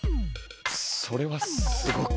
それはすごく。